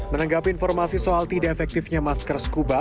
menanggapi informasi soal tidak efektifnya masker scuba